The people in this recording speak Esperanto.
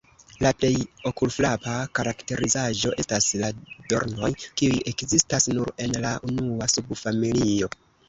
La plej okulfrapa karakterizaĵo estas la dornoj kiuj ekzistas nur en la unua subfamilio.